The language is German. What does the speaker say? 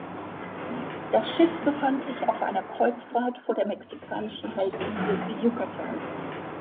Das Schiff befand sich auf einer Kreuzfahrt vor der mexikanischen Halbinsel Yucatan.